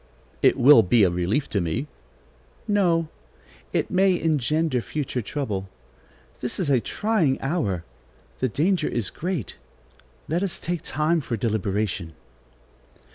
"It will be a relief to me." "No; it may engender future trouble. This is a trying hour; the danger is great; let us take time for deliberation."